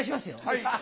はい！